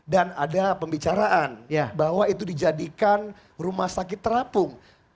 dan ada pembicaraan bahwa itu dijadikan rumah sakit terapung